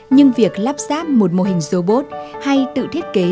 nhưng việc lắp ráp một mô hình robot hay tự thiết kế